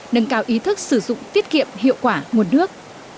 nâng cao ý thức sử dụng tiết kiệm hiệu quả nguồn nước